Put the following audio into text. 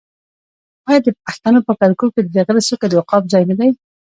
آیا د پښتنو په کلتور کې د غره څوکه د عقاب ځای نه دی؟